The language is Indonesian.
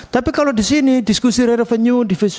tapi kalau di sini diskusi revenue